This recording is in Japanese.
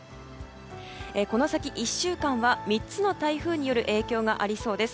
この先、１週間は３つの台風による影響がありそうです。